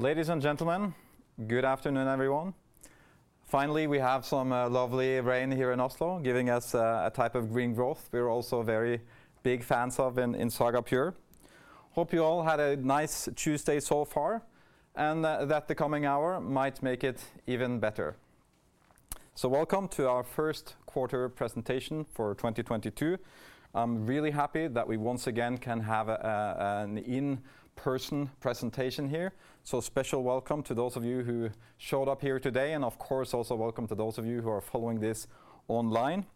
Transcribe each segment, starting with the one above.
Ladies and gentlemen, good afternoon, everyone. Finally, we have some lovely rain here in Oslo giving us a type of green growth we're also very big fans of in Saga Pure. Hope you all had a nice Tuesday so far and that the coming hour might make it even better. Welcome to our first quarter presentation for 2022. I'm really happy that we once again can have an in-person presentation here. Special welcome to those of you who showed up here today and, of course, also welcome to those of you who are following this online.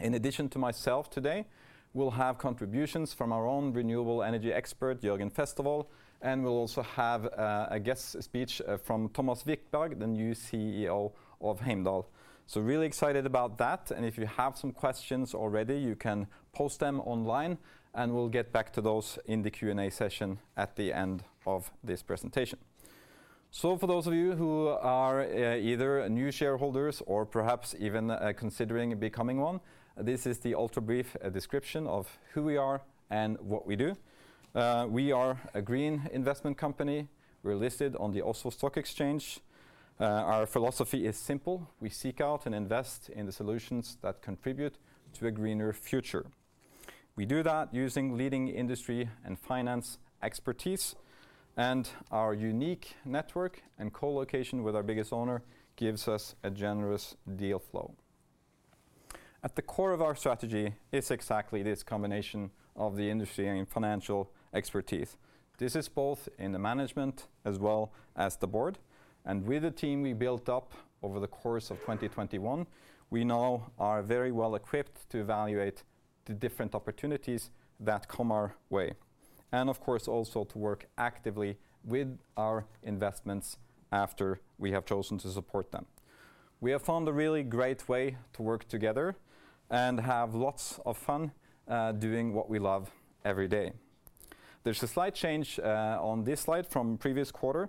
In addition to myself today, we'll have contributions from our own renewable energy expert, Jørgen Festervoll, and we'll also have a guest speech from Thomas Wikberg, the new CEO of Heimdall. Really excited about that, and if you have some questions already, you can post them online, and we'll get back to those in the Q&A session at the end of this presentation. For those of you who are either new shareholders or perhaps even considering becoming one, this is the ultra-brief description of who we are and what we do. We are a green investment company. We're listed on the Oslo Stock Exchange. Our philosophy is simple. We seek out and invest in the solutions that contribute to a greener future. We do that using leading industry and finance expertise, and our unique network and co-location with our biggest owner gives us a generous deal flow. At the core of our strategy is exactly this combination of the industry and financial expertise. This is both in the management as well as the board, and with the team we built up over the course of 2021, we now are very well equipped to evaluate the different opportunities that come our way, and of course, also to work actively with our investments after we have chosen to support them. We have found a really great way to work together and have lots of fun doing what we love every day. There's a slight change on this slide from previous quarter.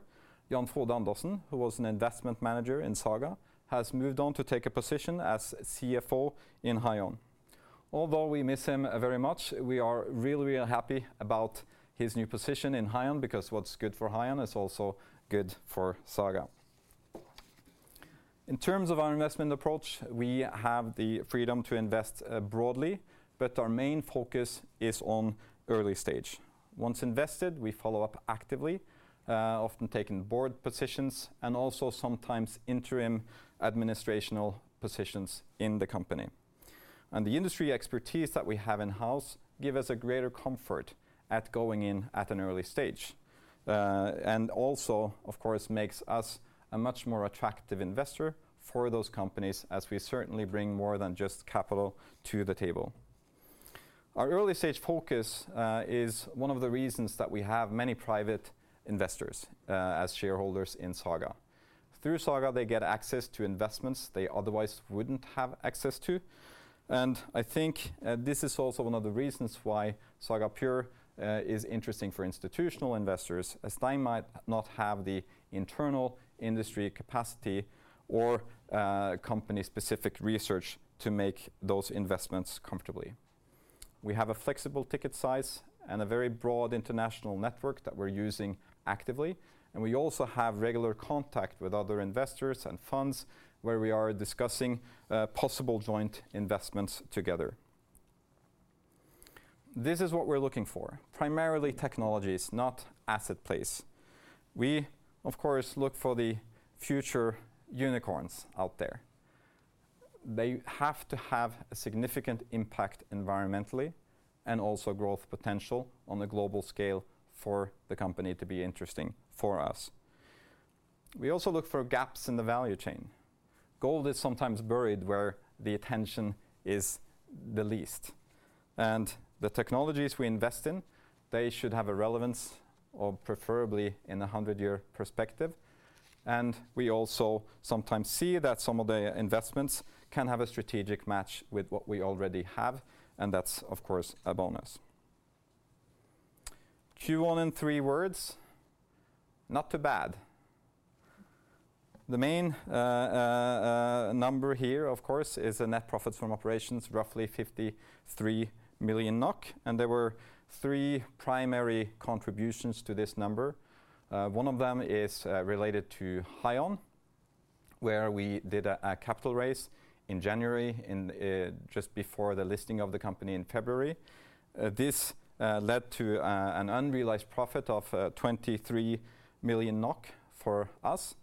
Jan Frode Andersen, who was an investment manager in Saga, has moved on to take a position as CFO in HYON. Although we miss him very much, we are really, really happy about his new position in HYON because what's good for HYON is also good for Saga. In terms of our investment approach, we have the freedom to invest broadly, but our main focus is on early stage. Once invested, we follow up actively, often taking board positions and also sometimes interim administrational positions in the company. The industry expertise that we have in-house give us a greater comfort at going in at an early stage, and also, of course, makes us a much more attractive investor for those companies as we certainly bring more than just capital to the table. Our early-stage focus is one of the reasons that we have many private investors as shareholders in Saga. Through Saga, they get access to investments they otherwise wouldn't have access to, and I think, this is also one of the reasons why Saga Pure is interesting for institutional investors as they might not have the internal industry capacity or, company-specific research to make those investments comfortably. We have a flexible ticket size and a very broad international network that we're using actively, and we also have regular contact with other investors and funds where we are discussing, possible joint investments together. This is what we're looking for, primarily technologies, not asset plays. We, of course, look for the future unicorns out there. They have to have a significant impact environmentally and also growth potential on a global scale for the company to be interesting for us. We also look for gaps in the value chain. Gold is sometimes buried where the attention is the least. The technologies we invest in, they should have a relevance of preferably in a 100-year perspective, and we also sometimes see that some of the investments can have a strategic match with what we already have, and that's of course a bonus. Q1 in three words, not too bad. The main number here, of course, is the net profits from operations, roughly 53 million NOK, and there were three primary contributions to this number. One of them is related to HYON, where we did a capital raise in January, just before the listing of the company in February. This led to an unrealized profit of 23 million NOK for us,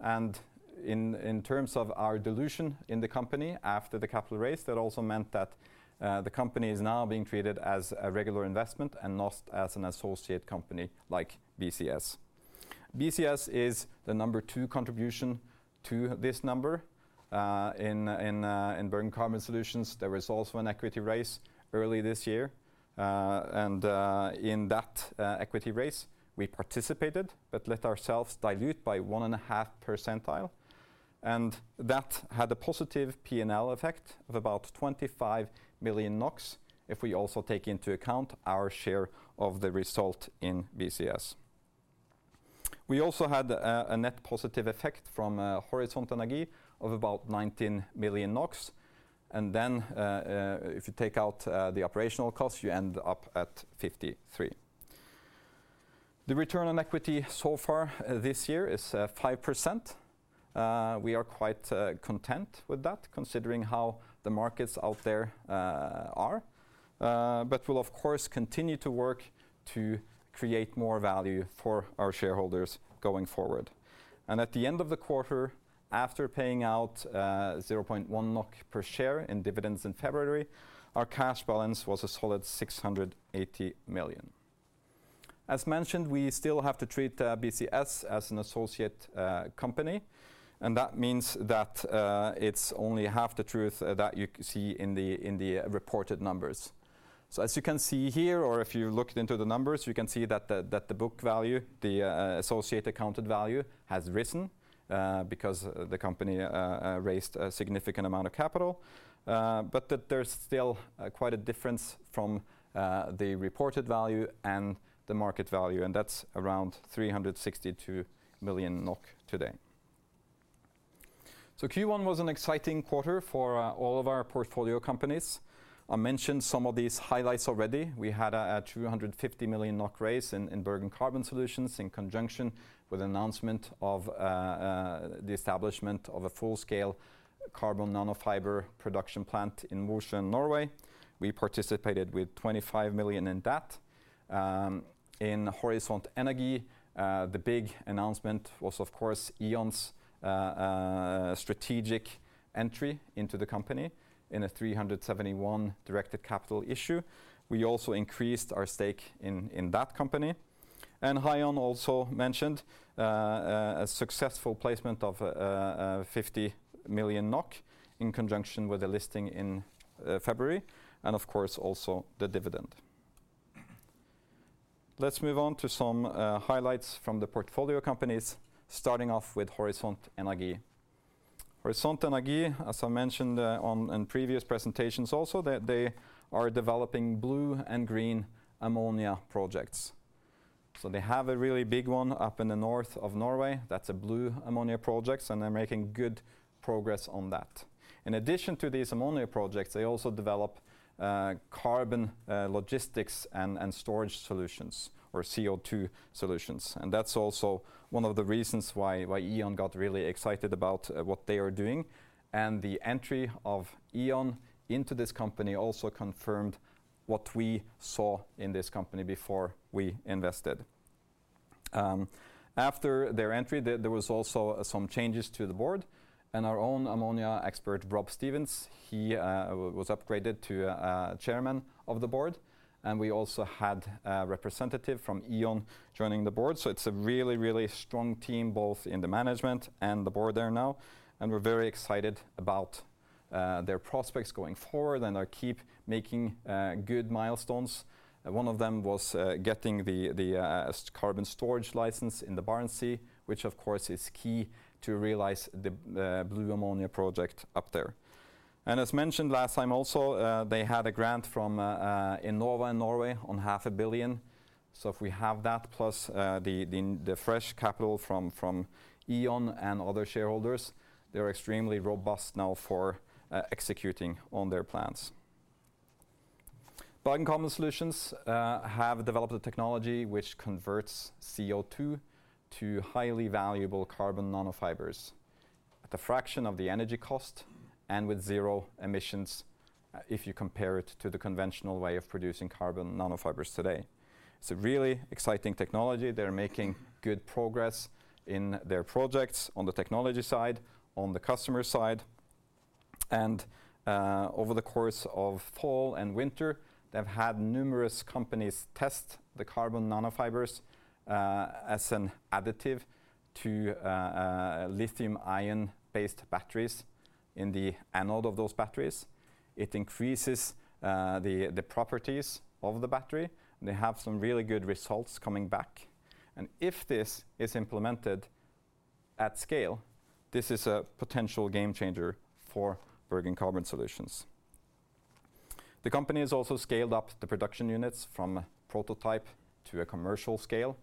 and in terms of our dilution in the company after the capital raise, that also meant that the company is now being treated as a regular investment and not as an associate company like BCS. BCS is the number two contribution to this number. In Bergen Carbon Solutions, there was also an equity raise early this year, and in that equity raise we participated but let ourselves dilute by 1.5%, and that had a positive P&L effect of about 25 million NOK if we also take into account our share of the result in BCS. We also had a net positive effect from Horisont Energi of about 19 million NOK. Then, if you take out the operational costs, you end up at 53 million. The return on equity so far this year is 5%. We are quite content with that considering how the markets out there are. But we'll of course continue to work to create more value for our shareholders going forward. At the end of the quarter, after paying out 0.1 NOK per share in dividends in February, our cash balance was a solid 680 million. As mentioned, we still have to treat BCS as an associate company, and that means that it's only half the truth that you can see in the reported numbers. As you can see here, or if you looked into the numbers, you can see that the book value, the associate accounted value, has risen, because the company raised a significant amount of capital, but that there's still quite a difference from the reported value and the market value, and that's around 362 million NOK today. Q1 was an exciting quarter for all of our portfolio companies. I mentioned some of these highlights already. We had a 250 million NOK raise in Bergen Carbon Solutions in conjunction with the announcement of the establishment of a full-scale carbon nanofiber production plant in Mosjøen, Norway. We participated with 25 million in that. In Horisont Energi, the big announcement was, of course, E.ON's strategic entry into the company in a 371 million directed capital issue. We also increased our stake in that company. HYON also mentioned a successful placement of 50 million NOK in conjunction with the listing in February, and of course, also the dividend. Let's move on to some highlights from the portfolio companies, starting off with Horisont Energi. Horisont Energi, as I mentioned in previous presentations also, that they are developing blue and green ammonia projects. They have a really big one up in the north of Norway. That's a blue ammonia project, and they're making good progress on that. In addition to these ammonia projects, they also develop carbon logistics and storage solutions or CO2 solutions. That's also one of the reasons why E.ON got really excited about what they are doing. The entry of E.ON into this company also confirmed what we saw in this company before we invested. After their entry, there was also some changes to the board and our own ammonia expert, Rob Stevens, he was upgraded to chairman of the board, and we also had a representative from E.ON joining the board. It's a really strong team, both in the management and the board there now, and we're very excited about their prospects going forward, and they keep making good milestones. One of them was getting the carbon storage license in the Barents Sea, which of course, is key to realize the blue ammonia project up there. As mentioned last time, they had a grant from Enova in Norway of 500 million. If we have that, plus the fresh capital from E.ON and other shareholders, they're extremely robust now for executing on their plans. Bergen Carbon Solutions have developed a technology which converts CO2 to highly valuable carbon nanofibers at a fraction of the energy cost and with zero emissions if you compare it to the conventional way of producing carbon nanofibers today. It's a really exciting technology. They're making good progress in their projects on the technology side, on the customer side, and over the course of fall and winter, they've had numerous companies test the carbon nanofibers as an additive to lithium-ion-based batteries in the anode of those batteries. It increases the properties of the battery, and they have some really good results coming back. If this is implemented at scale, this is a potential game changer for Bergen Carbon Solutions. The company has also scaled up the production units from prototype to a commercial scale,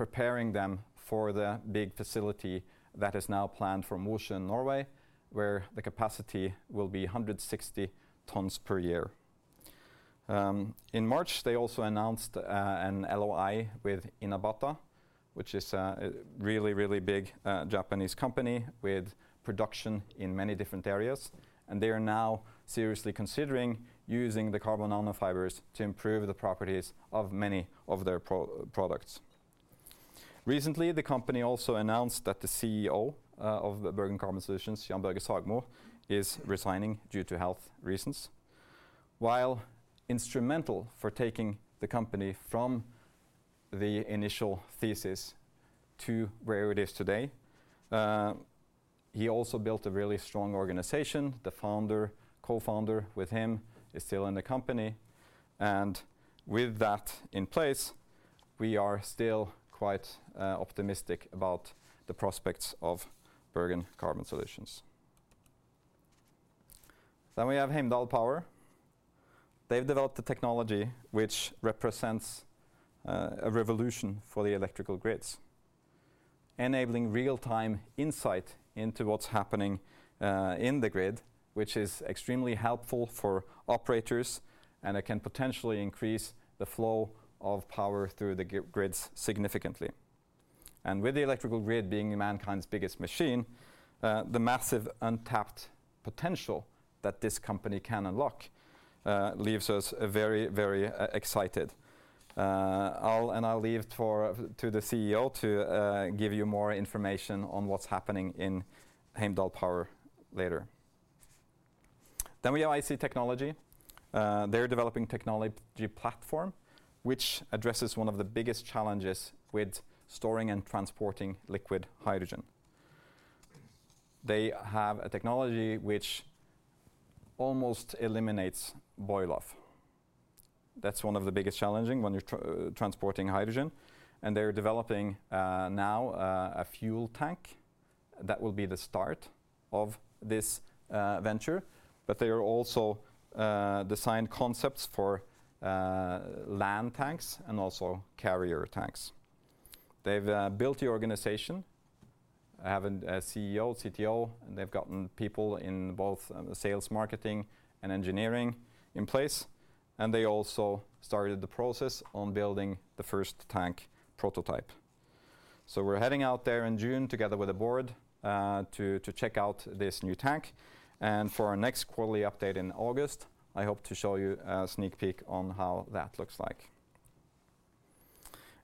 preparing them for the big facility that is now planned for Mosjøen, Norway, where the capacity will be 160 tons per year. In March, they also announced an LOI with Inabata, which is a really big Japanese company with production in many different areas, and they are now seriously considering using the carbon nanofibers to improve the properties of many of their products. Recently, the company also announced that the CEO of Bergen Carbon Solutions, Jan Børge Sagmo, is resigning due to health reasons. While instrumental for taking the company from the initial thesis to where it is today, he also built a really strong organization. The founder, co-founder with him is still in the company, and with that in place, we are still quite optimistic about the prospects of Bergen Carbon Solutions. We have Heimdall Power. They've developed a technology which represents a revolution for the electrical grids, enabling real-time insight into what's happening in the grid, which is extremely helpful for operators, and it can potentially increase the flow of power through the grids significantly. With the electrical grid being mankind's biggest machine, the massive untapped potential that this company can unlock leaves us very, very excited. I'll leave it to the CEO to give you more information on what's happening in Heimdall Power later. We have IC Technology. They're developing technology platform which addresses one of the biggest challenges with storing and transporting liquid hydrogen. They have a technology which almost eliminates boil-off. That's one of the biggest challenge when you're transporting hydrogen, and they're developing now a fuel tank that will be the start of this venture, but they are also designing concepts for land tanks and also carrier tanks. They've built the organization, have a CEO, CTO, and they've gotten people in both sales, marketing, and engineering in place, and they also started the process on building the first tank prototype. We're heading out there in June together with a board to check out this new tank. For our next quarterly update in August, I hope to show you a sneak peek on how that looks like.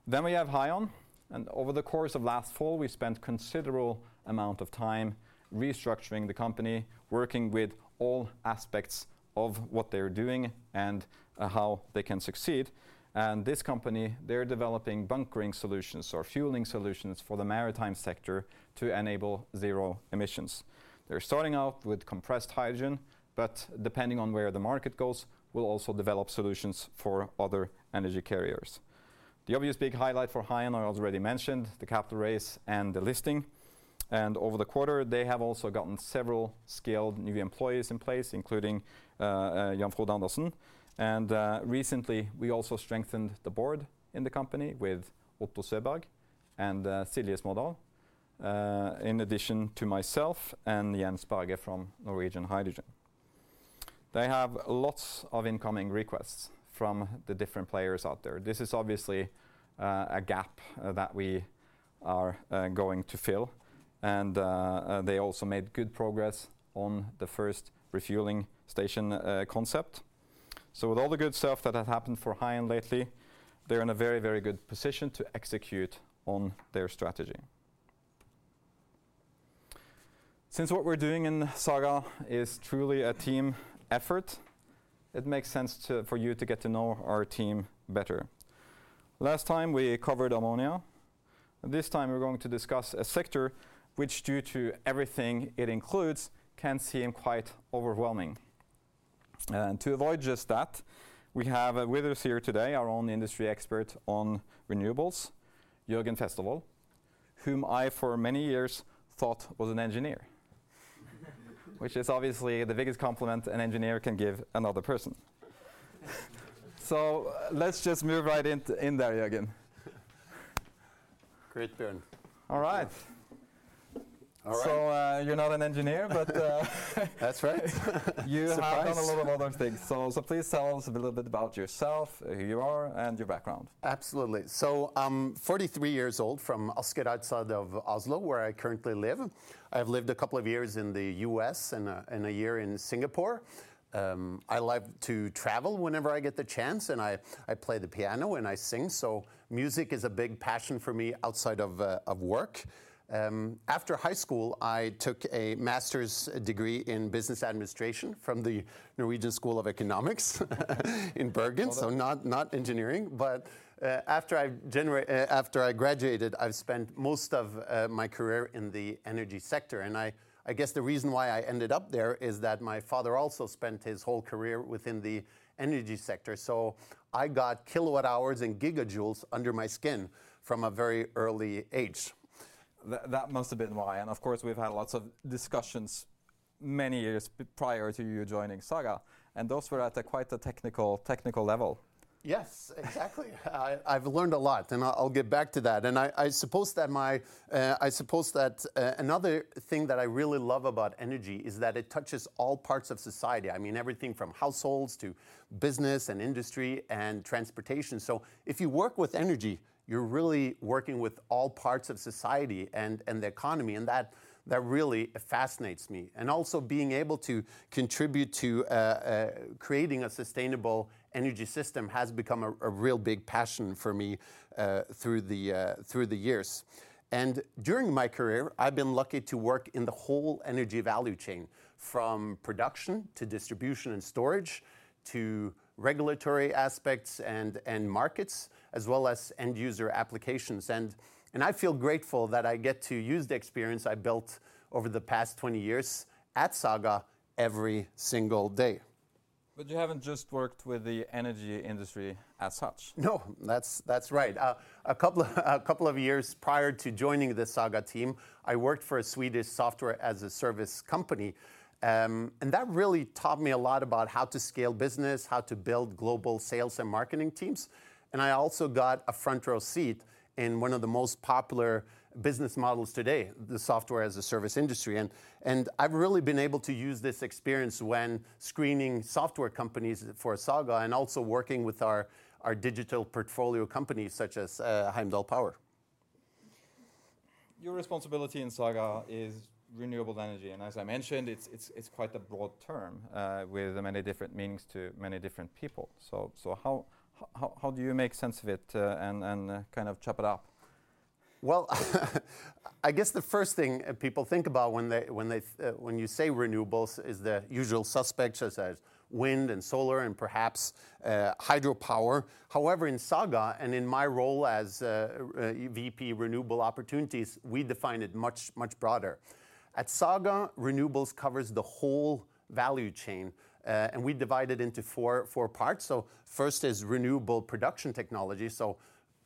We have HYON, and over the course of last fall, we spent considerable amount of time restructuring the company, working with all aspects of what they're doing and how they can succeed. This company, they're developing bunkering solutions or fueling solutions for the maritime sector to enable zero emissions. They're starting out with compressed hydrogen, but depending on where the market goes, will also develop solutions for other energy carriers. The obvious big highlight for HYON I already mentioned, the capital raise and the listing. Over the quarter, they have also gotten several skilled new employees in place, including Jan Frode Andersen. Recently, we also strengthened the board in the company with Otto Søberg and Silje Smedal, in addition to myself and Jens Berge from Norwegian Hydrogen. They have lots of incoming requests from the different players out there. This is obviously a gap that we are going to fill. They also made good progress on the first refueling station concept. With all the good stuff that has happened for HYON lately, they're in a very, very good position to execute on their strategy. Since what we're doing in Saga is truly a team effort, it makes sense for you to get to know our team better. Last time, we covered ammonia. This time, we're going to discuss a sector which due to everything it includes, can seem quite overwhelming. To avoid just that, we have with us here today our own industry expert on renewables, Jørgen Festervoll, whom I for many years thought was an engineer, which is obviously the biggest compliment an engineer can give another person. Let's just move right in in there, Jørgen. Great turn. All right. All right. You're not an engineer, but. That's right. You have done. Surprise... a lot of other things. Please tell us a little bit about yourself, who you are, and your background? Absolutely. I'm 43 years old from Asker outside of Oslo, where I currently live. I've lived a couple of years in the U.S. and a year in Singapore. I like to travel whenever I get the chance, and I play the piano and I sing, so music is a big passion for me outside of work. After high school, I took a master's degree in business administration from the Norwegian School of Economics in Bergen. Well done. Not engineering, but after I graduated, I've spent most of my career in the energy sector. I guess the reason why I ended up there is that my father also spent his whole career within the energy sector, so I got kilowatt hours and gigajoules under my skin from a very early age. That must have been why. Of course, we've had lots of discussions many years prior to you joining Saga, and those were at quite a technical level. Yes, exactly. I've learned a lot, and I'll get back to that. I suppose that another thing that I really love about energy is that it touches all parts of society. I mean, everything from households to business and industry and transportation. If you work with energy, you're really working with all parts of society and the economy, and that really fascinates me. Also being able to contribute to creating a sustainable energy system has become a real big passion for me through the years. During my career, I've been lucky to work in the whole energy value chain, from production to distribution and storage, to regulatory aspects and markets, as well as end user applications. I feel grateful that I get to use the experience I built over the past 20 years at Saga every single day. You haven't just worked with the energy industry as such. No, that's right. A couple of years prior to joining the Saga team, I worked for a Swedish software as a service company. That really taught me a lot about how to scale business, how to build global sales and marketing teams, and I also got a front row seat in one of the most popular business models today, the software as a service industry. I've really been able to use this experience when screening software companies for Saga and also working with our digital portfolio companies such as Heimdall Power. Your responsibility in Saga is renewable energy, and as I mentioned, it's quite a broad term with many different meanings to many different people. How do you make sense of it, and kind of chop it up? Well, I guess the first thing people think about when you say renewables is the usual suspects such as wind and solar and perhaps hydropower. However, in Saga and in my role as VP Renewable Opportunities, we define it much broader. At Saga, renewables covers the whole value chain, and we divide it into four parts. First is renewable production technology, so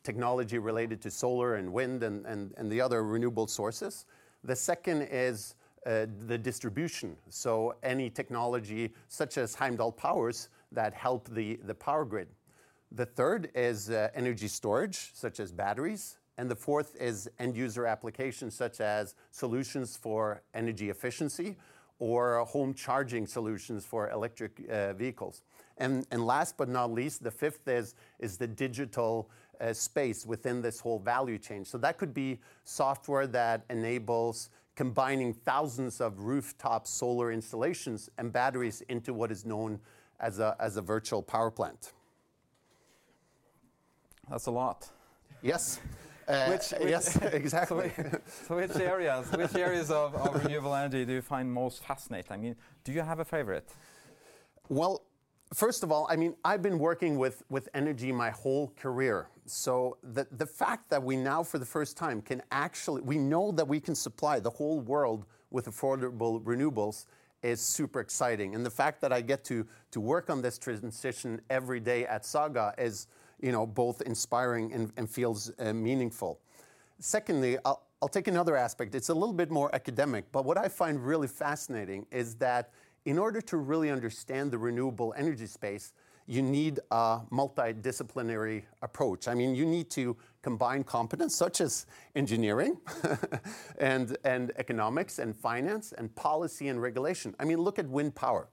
technology related to solar and wind and the other renewable sources. The second is the distribution, so any technology such as Heimdall Power that help the power grid. The third is energy storage such as batteries, and the fourth is end user applications such as solutions for energy efficiency or home charging solutions for electric vehicles. Last but not least, the fifth is the digital space within this whole value chain. That could be software that enables combining thousands of rooftop solar installations and batteries into what is known as a virtual power plant. That's a lot. Yes. Which- Yes, exactly. Which areas of renewable energy do you find most fascinating? I mean, do you have a favorite? Well, first of all, I mean, I've been working with energy my whole career, so the fact that we now for the first time we know that we can supply the whole world with affordable renewables is super exciting, and the fact that I get to work on this transition every day at Saga is, you know, both inspiring and feels meaningful. Secondly, I'll take another aspect. It's a little bit more academic, but what I find really fascinating is that in order to really understand the renewable energy space, you need a multidisciplinary approach. I mean, you need to combine competence such as engineering and economics and finance and policy and regulation. I mean, look at wind power,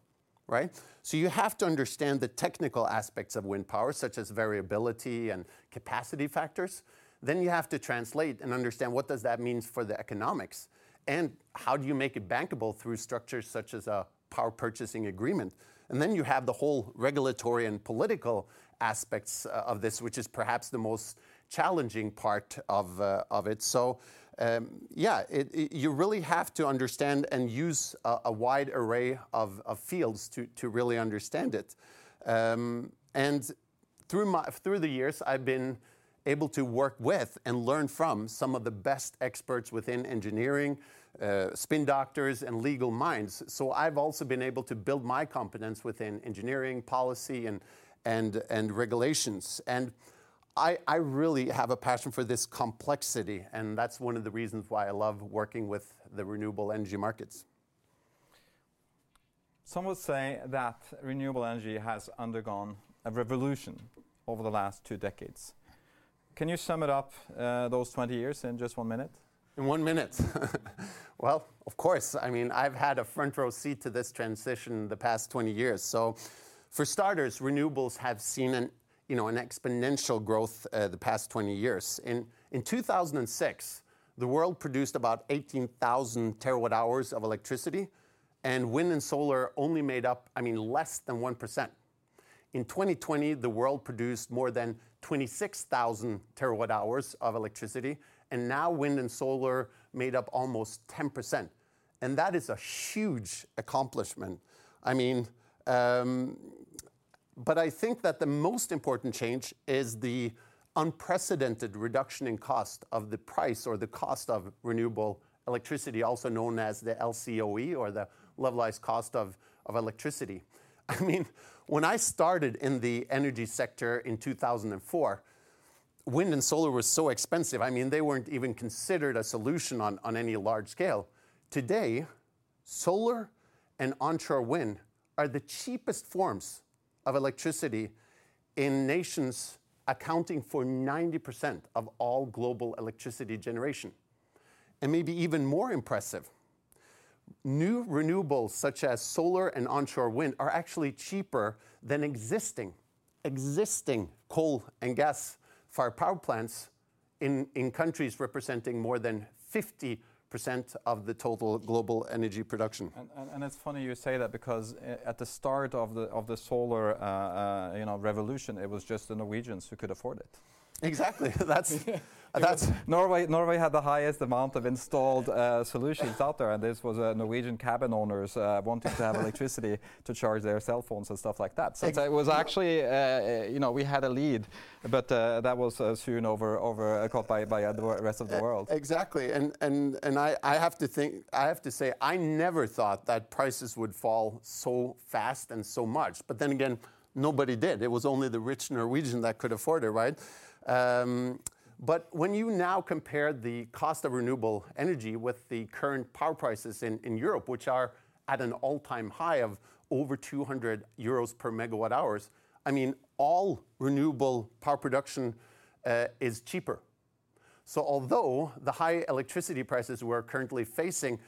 right? You have to understand the technical aspects of wind power, such as variability and capacity factors. You have to translate and understand what does that mean for the economics, and how do you make it bankable through structures such as a power purchase agreement? You have the whole regulatory and political aspects of this, which is perhaps the most challenging part of it. It you really have to understand and use a wide array of fields to really understand it. Through the years, I've been able to work with and learn from some of the best experts within engineering, spin doctors and legal minds. I've also been able to build my competence within engineering policy and regulations. I really have a passion for this complexity, and that's one of the reasons why I love working with the renewable energy markets. Some would say that renewable energy has undergone a revolution over the last two decades. Can you sum it up, those 20 years in just one minute? In one minute? Well, of course. I mean, I've had a front row seat to this transition the past 20 years. For starters, renewables have seen an, you know, an exponential growth, the past 20 years. In 2006, the world produced about 18,000 terawatt-hours of electricity, and wind and solar only made up, I mean, less than 1%. In 2020, the world produced more than 26,000 terawatt-hours of electricity, and now wind and solar made up almost 10%, and that is a huge accomplishment. I mean, but I think that the most important change is the unprecedented reduction in cost of the price or the cost of renewable electricity, also known as the LCOE, or the levelized cost of electricity. I mean, when I started in the energy sector in 2004, wind and solar were so expensive. I mean, they weren't even considered a solution on any large scale. Today, solar and onshore wind are the cheapest forms of electricity in nations accounting for 90% of all global electricity generation. Maybe even more impressive, new renewables such as solar and onshore wind are actually cheaper than existing coal and gas fired power plants in countries representing more than 50% of the total global energy production. It's funny you say that because at the start of the solar, you know, revolution, it was just the Norwegians who could afford it. Exactly. True... that's- Norway had the highest amount of installed solutions out there, and this was Norwegian cabin owners wanting to have electricity to charge their cell phones and stuff like that. It was actually, you know, we had a lead, but that was soon over, caught by the rest of the world. Exactly. I have to say I never thought that prices would fall so fast and so much. Then again, nobody did. It was only the rich Norwegian that could afford it, right? When you now compare the cost of renewable energy with the current power prices in Europe, which are at an all-time high of over 200 euros per MWh, I mean, all renewable power production is cheaper. Although the high electricity prices we're currently facing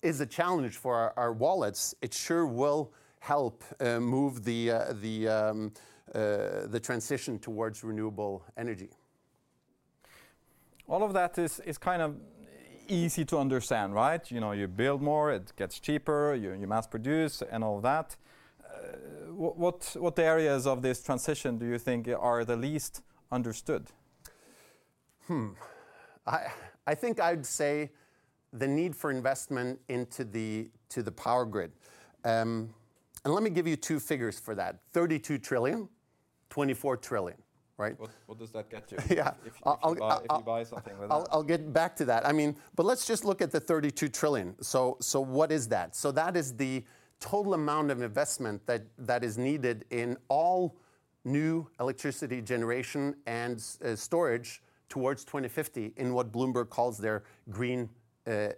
is a challenge for our wallets, it sure will help move the transition towards renewable energy. All of that is kind of easy to understand, right? You know, you build more, it gets cheaper, you mass produce and all that. What areas of this transition do you think are the least understood? I think I'd say the need for investment into the power grid. Let me give you two figures for that, 32 trillion, 24 trillion, right? What does that get you? Yeah. I'll If you buy something with that. I'll get back to that. I mean, let's just look at the $32 trillion. What is that? That is the total amount of investment that is needed in all new electricity generation and storage towards 2050 in what Bloomberg calls their green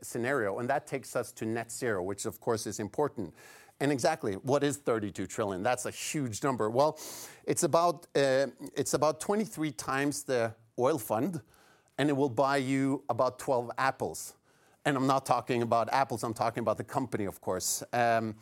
scenario, and that takes us to net zero, which of course is important. Exactly, what is $32 trillion? That's a huge number. Well, it's about 23 times the oil fund, and it will buy you about 12 Apples, and I'm not talking about apples, I'm talking about the company of course. You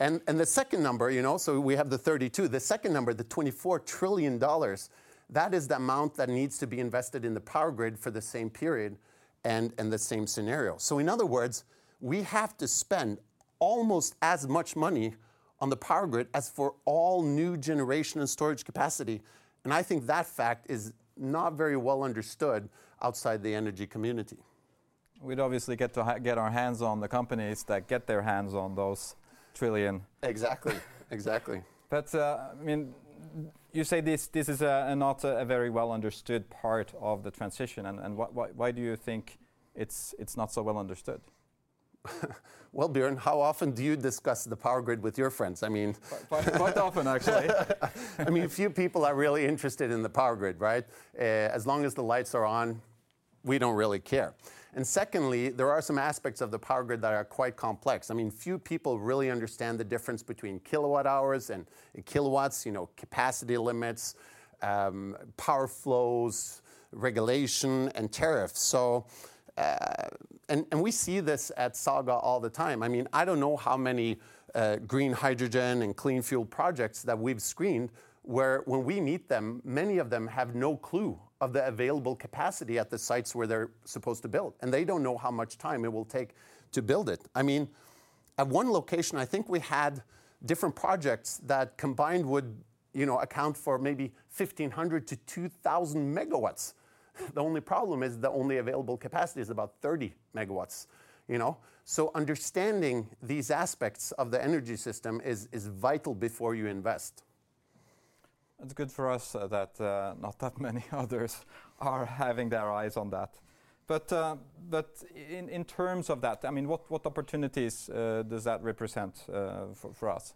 know, we have the $32 trillion. The second number, the $24 trillion, that is the amount that needs to be invested in the power grid for the same period and the same scenario. In other words, we have to spend almost as much money on the power grid as for all new generation and storage capacity, and I think that fact is not very well understood outside the energy community. We'd obviously get our hands on the companies that get their hands on those trillion. Exactly. Exactly. I mean, you say this is not a very well-understood part of the transition and why do you think it's not so well understood? Well, Bjørn, how often do you discuss the power grid with your friends? I mean Quite often actually. I mean, few people are really interested in the power grid, right? As long as the lights are on, we don't really care. Secondly, there are some aspects of the power grid that are quite complex. I mean, few people really understand the difference between kilowatt hours and kilowatts, you know, capacity limits, power flows, regulation, and tariffs. We see this at Saga all the time. I mean, I don't know how many green hydrogen and clean fuel projects that we've screened where when we meet them, many of them have no clue of the available capacity at the sites where they're supposed to build, and they don't know how much time it will take to build it. I mean, at one location I think we had different projects that combined would, you know, account for maybe 1,500 MW-2,000 MW. The only problem is the only available capacity is about 30 MW, you know? Understanding these aspects of the energy system is vital before you invest. It's good for us that not that many others are having their eyes on that. But in terms of that, I mean, what opportunities does that represent for us?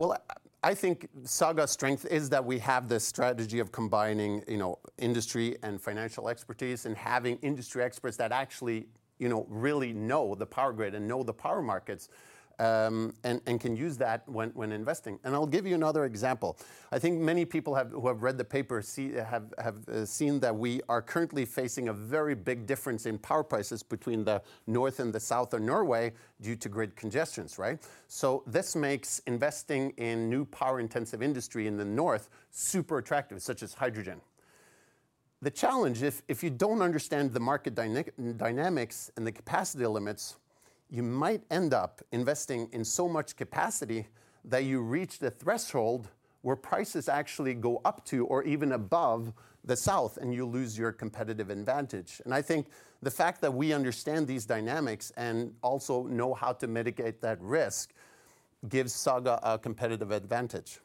Well, I think Saga's strength is that we have the strategy of combining, you know, industry and financial expertise, and having industry experts that actually, you know, really know the power grid and know the power markets, and can use that when investing. I'll give you another example. I think many people who have read the paper have seen that we are currently facing a very big difference in power prices between the north and the south of Norway due to grid congestions, right? This makes investing in new power-intensive industry in the north super attractive, such as hydrogen. The challenge if you don't understand the market dynamics and the capacity limits, you might end up investing in so much capacity that you reach the threshold where prices actually go up to or even above the south, and you lose your competitive advantage. I think the fact that we understand these dynamics and also know how to mitigate that risk gives Saga a competitive advantage.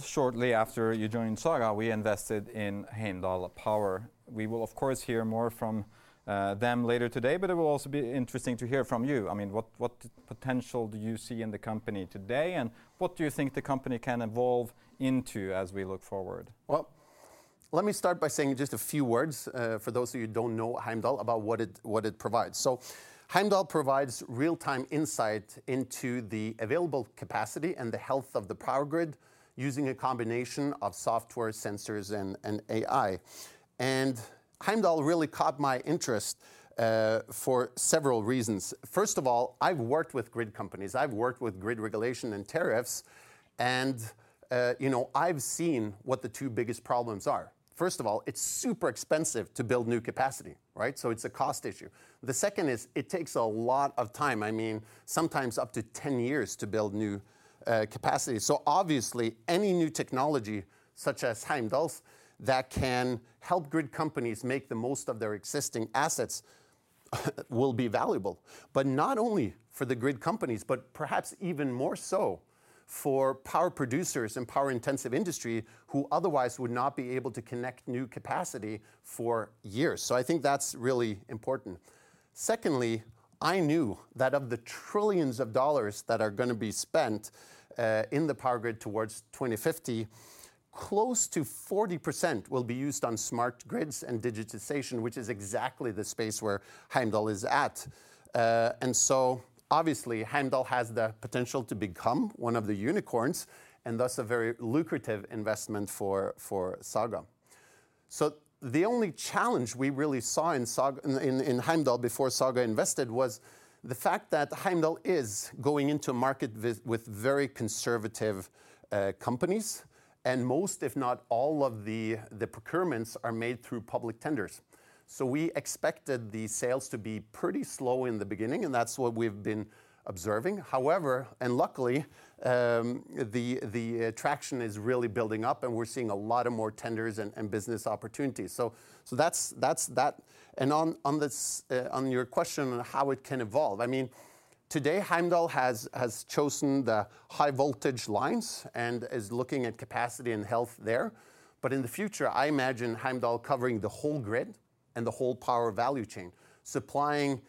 Shortly after you joined Saga, we invested in Heimdall Power. We will of course hear more from them later today, but it will also be interesting to hear from you. I mean, what potential do you see in the company today, and what do you think the company can evolve into as we look forward? Well, let me start by saying just a few words, for those of you who don't know Heimdall, about what it provides. Heimdall provides real-time insight into the available capacity and the health of the power grid using a combination of software, sensors, and AI. Heimdall really caught my interest, for several reasons. First of all, I've worked with grid companies, I've worked with grid regulation and tariffs, and, you know, I've seen what the two biggest problems are. First of all, it's super expensive to build new capacity, right? It's a cost issue. The second is it takes a lot of time, I mean, sometimes up to 10 years to build new capacity. Obviously any new technology such as Heimdall's that can help grid companies make the most of their existing assets will be valuable. Not only for the grid companies, but perhaps even more so for power producers and power-intensive industry who otherwise would not be able to connect new capacity for years. I think that's really important. Secondly, I knew that of the trillions of dollars that are gonna be spent in the power grid towards 2050, close to 40% will be used on smart grids and digitization, which is exactly the space where Heimdall is at. Obviously Heimdall has the potential to become one of the unicorns, and thus a very lucrative investment for Saga. The only challenge we really saw in Heimdall before Saga invested was the fact that Heimdall is going to market with very conservative companies, and most, if not all, of the procurements are made through public tenders. We expected the sales to be pretty slow in the beginning, and that's what we've been observing. However, and luckily, traction is really building up, and we're seeing a lot of more tenders and business opportunities. That's that. And on this, on your question on how it can evolve, I mean, today, Heimdall has chosen the high voltage lines and is looking at capacity and health there. In the future, I imagine Heimdall covering the whole grid and the whole power value chain, supplying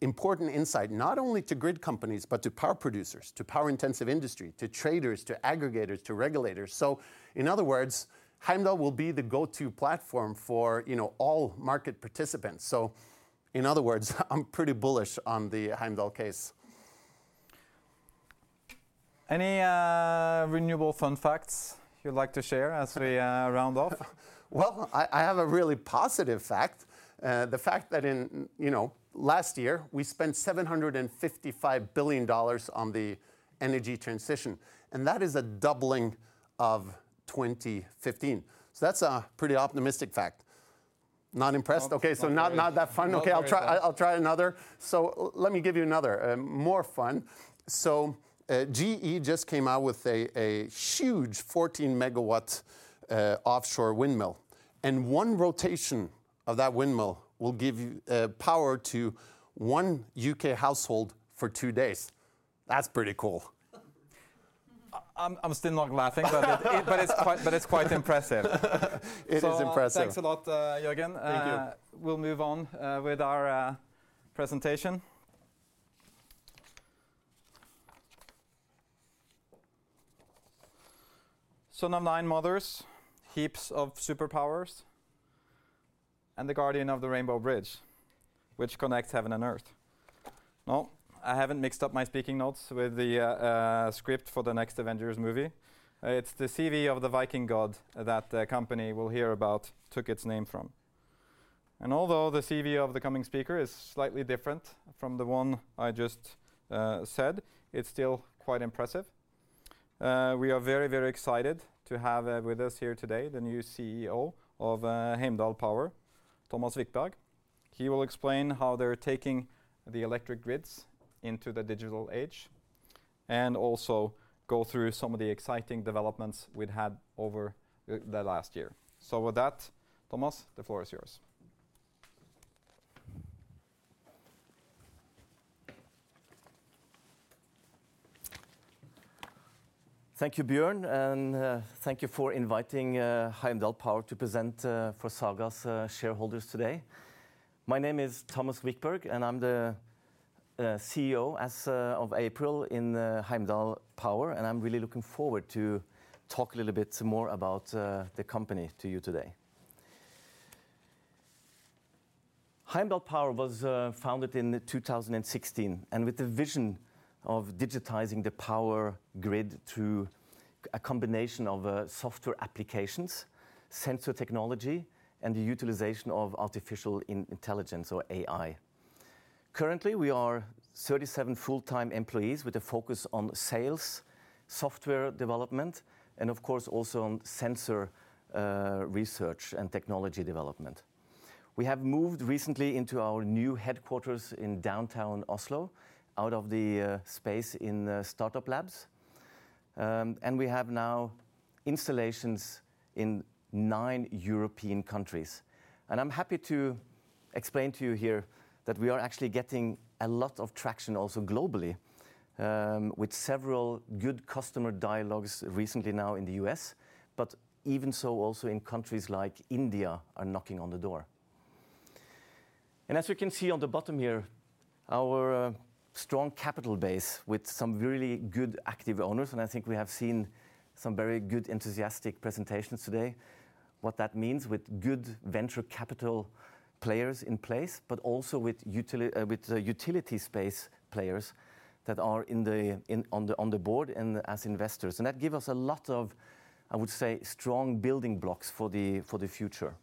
important insight, not only to grid companies, but to power producers, to power intensive industry, to traders, to aggregators, to regulators. In other words, Heimdall will be the go-to platform for, you know, all market participants. In other words, I'm pretty bullish on the Heimdall case. Any renewable fun facts you'd like to share as we round off? Well, I have a really positive fact. The fact that in, you know, last year, we spent $755 billion on the energy transition, and that is a doubling of 2015. That's a pretty optimistic fact. Not impressed? Okay. Not that fun. Okay. I'll try another. Let me give you another, more fun. GE just came out with a huge 14 MW offshore windmill, and one rotation of that windmill will give you power to one U.K. household for two days. That's pretty cool. I'm still not laughing, but it's quite impressive. It is impressive. Thanks a lot, Jørgen. Thank you. We'll move on with our presentation. Son of Nine Mothers, Heaps of Superpowers, and the guardian of the Rainbow Bridge, which connects heaven and earth? No, I haven't mixed up my speaking notes with the script for the next Avengers movie. It's the CV of the Viking god that the company we'll hear about took its name from. Although the CV of the coming speaker is slightly different from the one I just said, it's still quite impressive. We are very, very excited to have with us here today the new CEO of Heimdall Power, Thomas Wikberg. He will explain how they're taking the electric grids into the digital age and also go through some of the exciting developments we'd had over the last year. With that, Thomas, the floor is yours. Thank you, Bjørn, and thank you for inviting Heimdall Power to present for Saga's shareholders today. My name is Thomas Wikberg, and I'm the CEO as of April in Heimdall Power, and I'm really looking forward to talk a little bit more about the company to you today. Heimdall Power was founded in 2016, and with the vision of digitizing the power grid through a combination of software applications, sensor technology, and the utilization of artificial intelligence or AI. Currently, we are 37 full-time employees with a focus on sales, software development, and of course, also on sensor research and technology development. We have moved recently into our new headquarters in downtown Oslo, out of the space in the StartupLab. We have now installations in 9 European countries. I'm happy to explain to you here that we are actually getting a lot of traction also globally, with several good customer dialogues recently now in the U.S., but even so also in countries like India are knocking on the door. As you can see on the bottom here, our strong capital base with some really good active owners, and I think we have seen some very good enthusiastic presentations today. What that means with good venture capital players in place, but also with utility space players that are on the board and as investors. That gives us a lot of, I would say, strong building blocks for the future.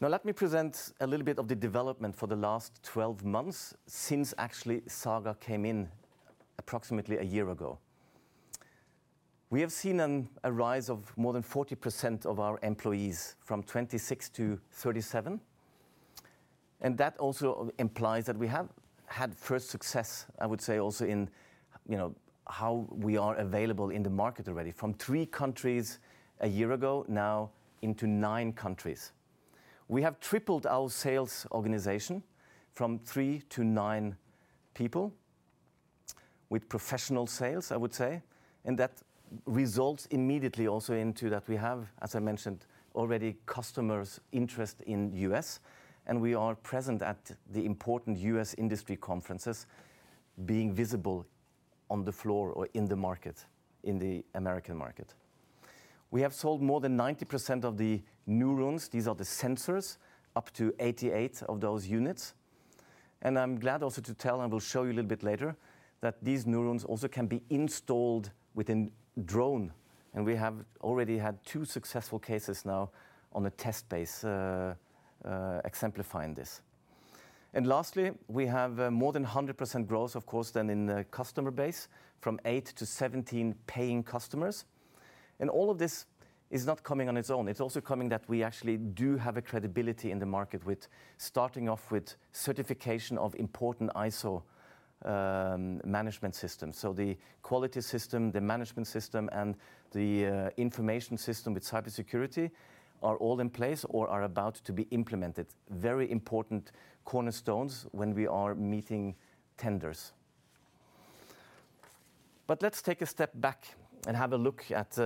Now, let me present a little bit of the development for the last 12 months since actually Saga came in approximately a year ago. We have seen a rise of more than 40% of our employees from 26 to 37, and that also implies that we have had first success. I would say also in, you know, how we are available in the market already, from three countries a year ago now into nine countries. We have tripled our sales organization from three to nine people with professional sales, I would say, and that results immediately also into that we have, as I mentioned already, customers' interest in the U.S., and we are present at the important U.S. industry conferences being visible on the floor or in the market, in the American market. We have sold more than 90% of the Neurons, these are the sensors, up to 88 of those units. I'm glad also to tell and will show you a little bit later that these Neurons also can be installed within drone, and we have already had two successful cases now on a test basis exemplifying this. Lastly, we have more than 100% growth, of course, than in the customer base from eight to 17 paying customers. All of this is not coming on its own. It's also coming that we actually do have a credibility in the market with starting off with certification of important ISO management system. The quality system, the management system, and the information system with cybersecurity are all in place or are about to be implemented. Very important cornerstones when we are meeting tenders. Let's take a step back and have a look at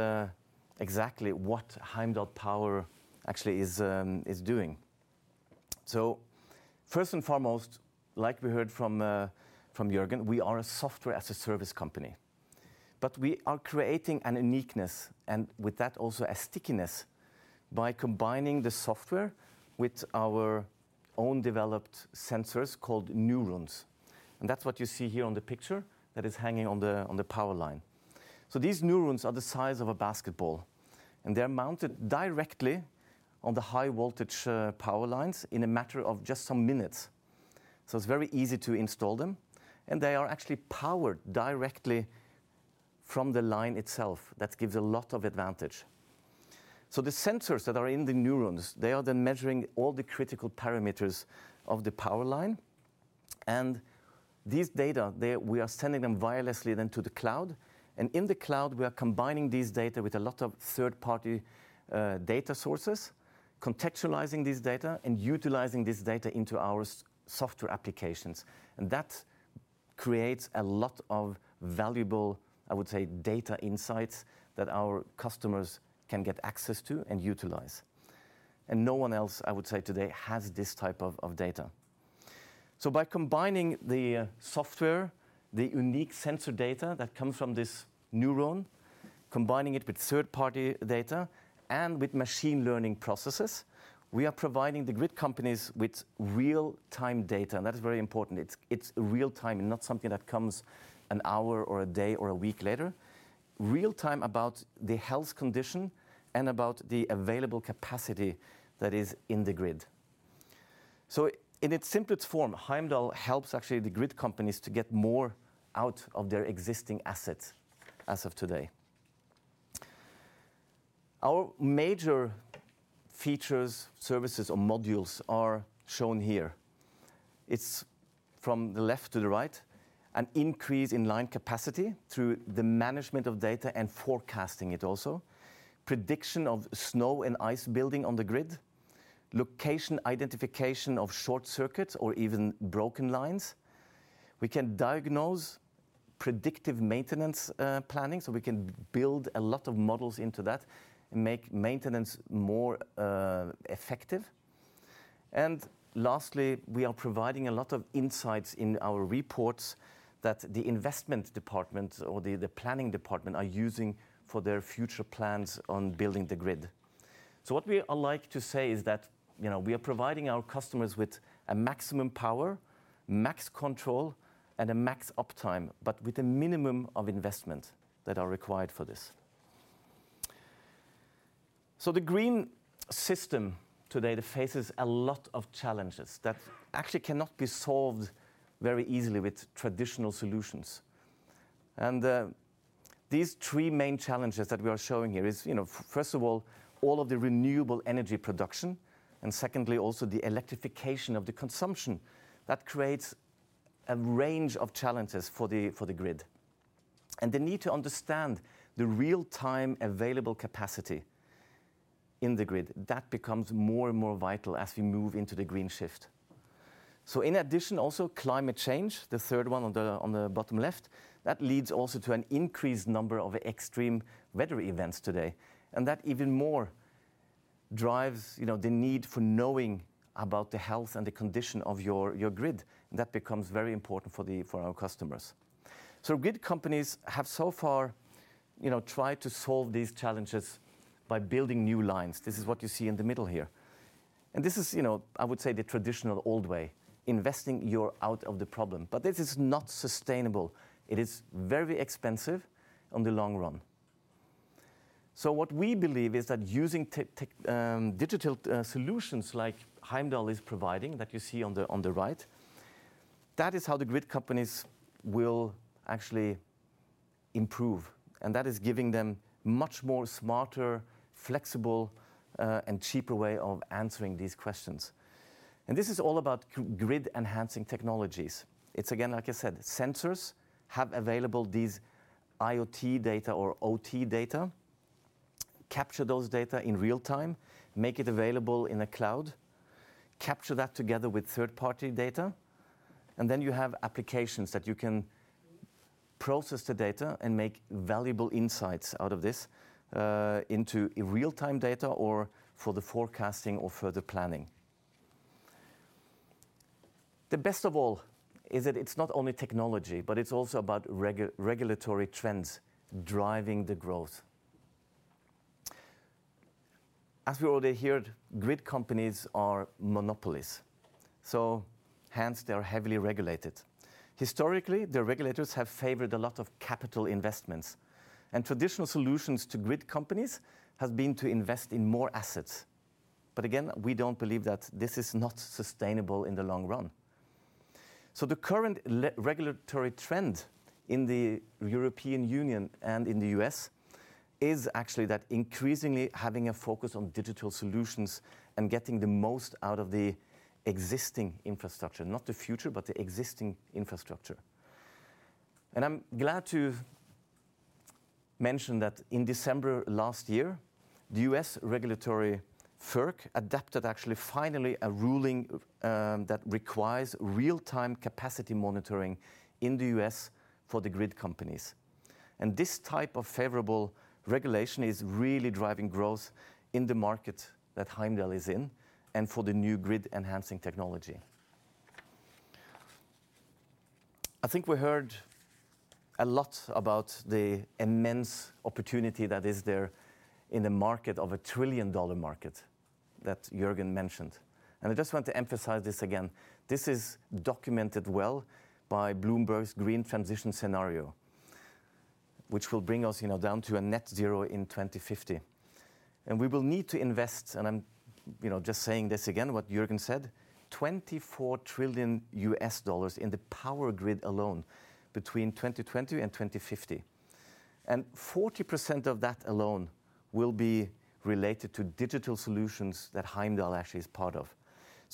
exactly what Heimdall Power actually is doing. First and foremost, like we heard from Jørgen, we are a software as a service company, but we are creating an uniqueness, and with that also a stickiness by combining the software with our own developed sensors called Neurons. That's what you see here on the picture that is hanging on the power line. These Neurons are the size of a basketball, and they're mounted directly on the high voltage power lines in a matter of just some minutes. It's very easy to install them, and they are actually powered directly from the line itself. That gives a lot of advantage. The sensors that are in the Neurons, they are then measuring all the critical parameters of the power line. These data, we are sending them wirelessly then to the cloud. In the cloud, we are combining these data with a lot of third-party data sources, contextualizing this data, and utilizing this data into our software applications. That creates a lot of valuable, I would say, data insights that our customers can get access to and utilize. No one else, I would say today, has this type of data. By combining the software, the unique sensor data that comes from this Neuron, combining it with third-party data and with machine learning processes, we are providing the grid companies with real-time data, and that is very important. It's real time and not something that comes an hour or a day or a week later. Real time about the health condition and about the available capacity that is in the grid. In its simplest form, Heimdall helps actually the grid companies to get more out of their existing assets as of today. Our major features, services, or modules are shown here. It's from the left to the right, an increase in line capacity through the management of data and forecasting it also. Prediction of snow and ice building on the grid. Location identification of short circuits or even broken lines. We can diagnose predictive maintenance, planning, so we can build a lot of models into that and make maintenance more effective. Lastly, we are providing a lot of insights in our reports that the investment department or the planning department are using for their future plans on building the grid. What we like to say is that, you know, we are providing our customers with a maximum power, max control, and a max uptime, but with a minimum of investment that are required for this. The green system today, it faces a lot of challenges that actually cannot be solved very easily with traditional solutions. These three main challenges that we are showing here is, you know, first of all of the renewable energy production, and secondly, also the electrification of the consumption that creates a range of challenges for the grid. The need to understand the real-time available capacity in the grid, that becomes more and more vital as we move into the green shift. In addition, also climate change, the third one on the bottom left, that leads also to an increased number of extreme weather events today. That even more drives, you know, the need for knowing about the health and the condition of your grid. That becomes very important for our customers. Grid companies have so far, you know, tried to solve these challenges by building new lines. This is what you see in the middle here. This is, you know, I would say the traditional old way, investing your way out of the problem. This is not sustainable. It is very expensive in the long run. What we believe is that using digital solutions like Heimdall is providing that you see on the, on the right, that is how the grid companies will actually improve. That is giving them much more smarter, flexible, and cheaper way of answering these questions. This is all about grid-enhancing technologies. It's again, like I said, sensors have available these IoT data or OT data, capture those data in real-time, make it available in a cloud, capture that together with third-party data, and then you have applications that you can process the data and make valuable insights out of this, into a real-time data or for the forecasting or further planning. The best of all is that it's not only technology, but it's also about regulatory trends driving the growth. As we already heard, grid companies are monopolies, so hence they are heavily regulated. Historically, the regulators have favored a lot of capital investments, and traditional solutions to grid companies has been to invest in more assets. Again, we don't believe that this is not sustainable in the long run. The current regulatory trend in the European Union and in the U.S. is actually that increasingly having a focus on digital solutions and getting the most out of the existing infrastructure, not the future, but the existing infrastructure. I'm glad to mention that in December last year, the U.S. regulator FERC adopted actually finally a ruling that requires real-time capacity monitoring in the U.S. for the grid companies. This type of favorable regulation is really driving growth in the market that Heimdall is in and for the new grid enhancing technology. I think we heard a lot about the immense opportunity that is there in the market of a trillion-dollar market that Jørgen mentioned, and I just want to emphasize this again. This is documented well by Bloomberg's green transition scenario, which will bring us, you know, down to a net zero in 2050. We will need to invest, and I'm, you know, just saying this again what Jørgen said, $24 trillion in the power grid alone between 2020 and 2050. 40% of that alone will be related to digital solutions that Heimdall actually is part of.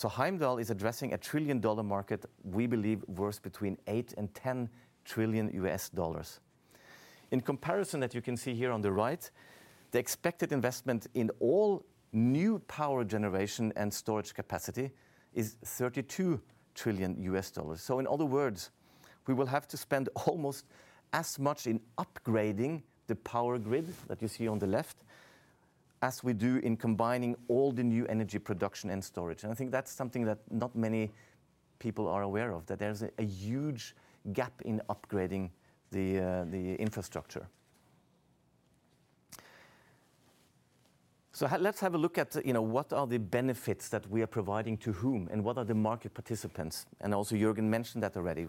Heimdall is addressing a trillion-dollar market we believe worth between $8 trillion and $10 trillion. In comparison that you can see here on the right, the expected investment in all new power generation and storage capacity is $32 trillion. In other words, we will have to spend almost as much in upgrading the power grid that you see on the left, as we do in combining all the new energy production and storage. I think that's something that not many people are aware of, that there's a huge gap in upgrading the infrastructure. Let's have a look at, you know, what are the benefits that we are providing to whom, and what are the market participants? Jørgen mentioned that already.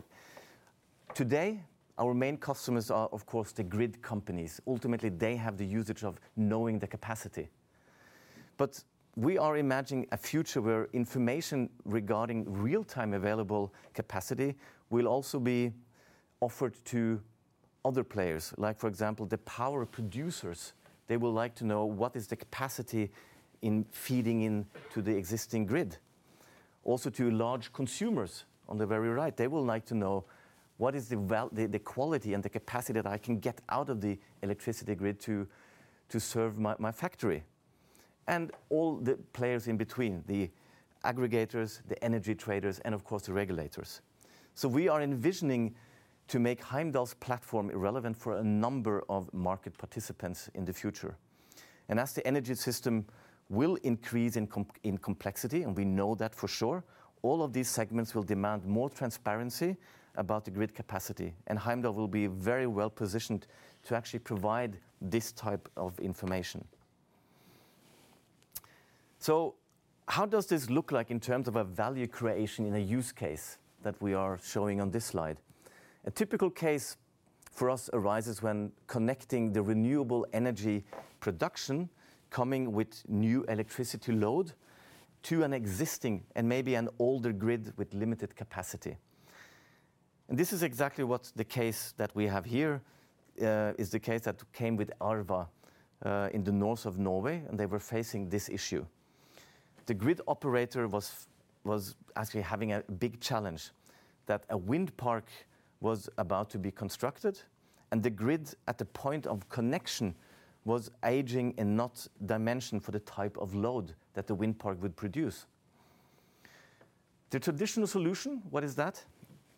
Today, our main customers are, of course, the grid companies. Ultimately, they have the usage of knowing the capacity. We are imagining a future where information regarding real-time available capacity will also be offered to other players, like for example, the power producers. They will like to know what is the capacity in feeding into the existing grid. Also, to large consumers on the very right, they will like to know what is the quality and the capacity that I can get out of the electricity grid to serve my factory, and all the players in between, the aggregators, the energy traders, and of course, the regulators. We are envisioning to make Heimdall's platform relevant for a number of market participants in the future. As the energy system will increase in complexity, and we know that for sure, all of these segments will demand more transparency about the grid capacity, and Heimdall will be very well positioned to actually provide this type of information. How does this look like in terms of a value creation in a use case that we are showing on this slide? A typical case for us arises when connecting the renewable energy production coming with new electricity load to an existing and maybe an older grid with limited capacity. This is exactly what's the case that we have here, is the case that came with Arva in the north of Norway, and they were facing this issue. The grid operator was actually having a big challenge that a wind park was about to be constructed, and the grid at the point of connection was aging and not dimensioned for the type of load that the wind park would produce. The traditional solution, what is that?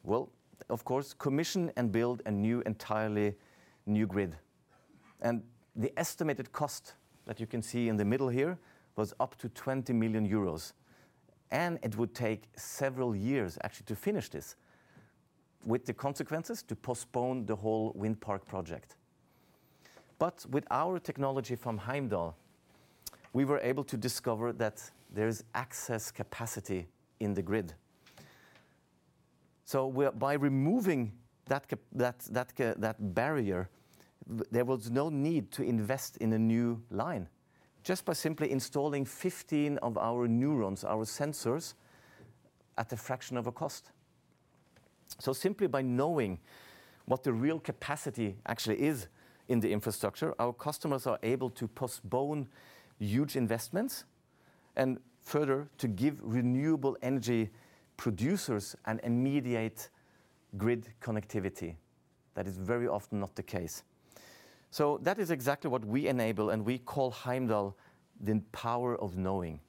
Well, of course, commission and build a new, entirely new grid. The estimated cost that you can see in the middle here was up to 20 million euros, and it would take several years actually to finish this, with the consequences to postpone the whole wind park project. With our technology from Heimdall, we were able to discover that there is excess capacity in the grid. By removing that barrier, there was no need to invest in a new line, just by simply installing 15 of our Neurons, our sensors, at a fraction of a cost. Simply by knowing what the real capacity actually is in the infrastructure, our customers are able to postpone huge investments and further to give renewable energy producers an immediate grid connectivity that is very often not the case. That is exactly what we enable, and we call Heimdall the power of knowing.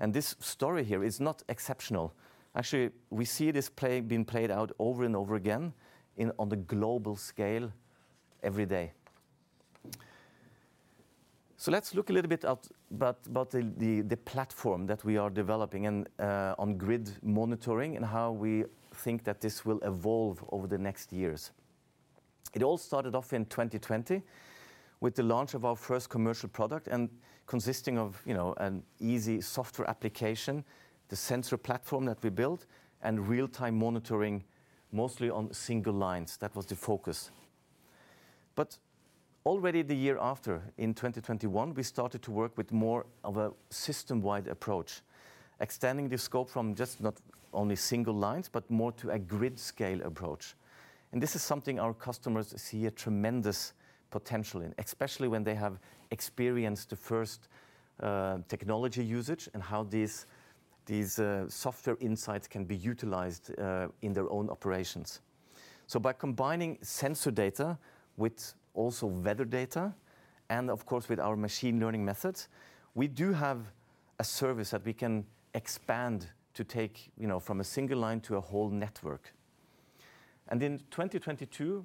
This story here is not exceptional. Actually, we see this being played out over and over again on the global scale every day. Let's look a little bit about the platform that we are developing and on grid monitoring and how we think that this will evolve over the next years. It all started off in 2020 with the launch of our first commercial product, consisting of, you know, an easy software application, the sensor platform that we built, and real-time monitoring, mostly on single lines. That was the focus. Already the year after, in 2021, we started to work with more of a system-wide approach, extending the scope from just not only single lines, but more to a grid scale approach. This is something our customers see a tremendous potential in, especially when they have experienced the first technology usage and how these software insights can be utilized in their own operations. By combining sensor data with also weather data and of course with our machine learning methods, we do have a service that we can expand to take, you know, from a single line to a whole network. In 2022,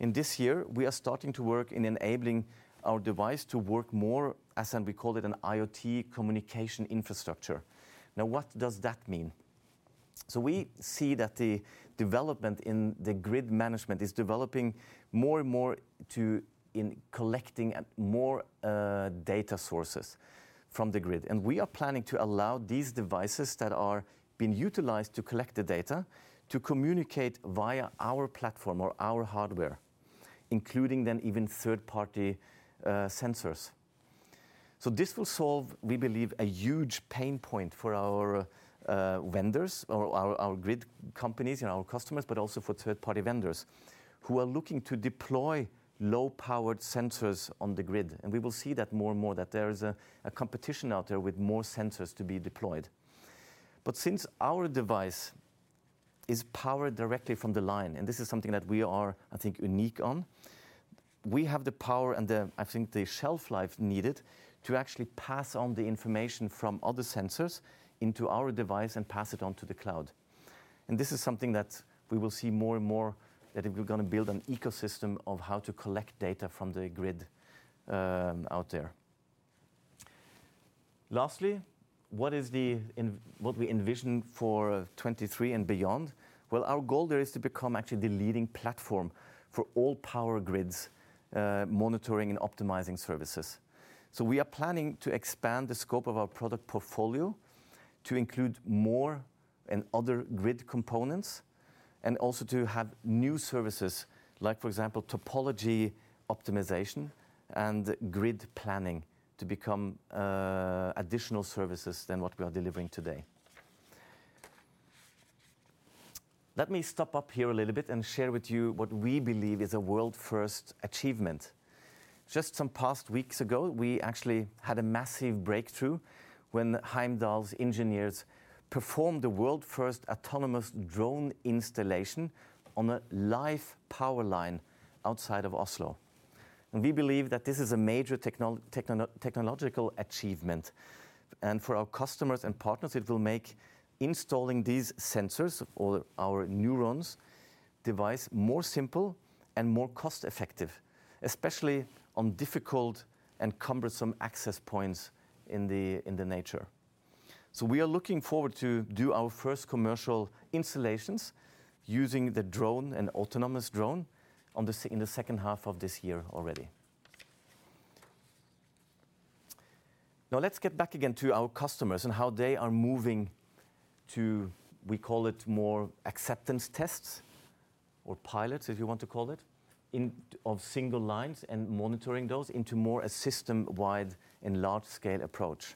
in this year, we are starting to work in enabling our device to work more as, and we call it an IoT communication infrastructure. Now, what does that mean? We see that the development in the grid management is developing more and more to collecting more data sources from the grid. We are planning to allow these devices that are being utilized to collect the data to communicate via our platform or our hardware, including then even third party sensors. This will solve, we believe, a huge pain point for our vendors or our grid companies and our customers, but also for third-party vendors who are looking to deploy low-powered sensors on the grid. We will see that more and more there is a competition out there with more sensors to be deployed. Since our device is powered directly from the line, and this is something that we are, I think, unique on, we have the power and the, I think the shelf life needed to actually pass on the information from other sensors into our device and pass it on to the cloud. This is something that we will see more and more, that we're gonna build an ecosystem of how to collect data from the grid out there. Lastly, what we envision for 2023 and beyond? Well, our goal there is to become actually the leading platform for all power grids monitoring and optimizing services. We are planning to expand the scope of our product portfolio to include more and other grid components, and also to have new services like, for example, topology optimization and grid planning to become additional services than what we are delivering today. Let me stop up here a little bit and share with you what we believe is a world-first achievement. Just a few weeks ago, we actually had a massive breakthrough when Heimdall's engineers performed the world-first autonomous drone installation on a live power line outside of Oslo. We believe that this is a major technological achievement. For our customers and partners, it will make installing these sensors or our Neurons device more simple and more cost effective, especially on difficult and cumbersome access points in the nature. We are looking forward to do our first commercial installations using the drone and autonomous drone in the second half of this year already. Now, let's get back again to our customers and how they are moving to, we call it more acceptance tests or pilots, if you want to call it, of single lines and monitoring those into more a system-wide and large scale approach.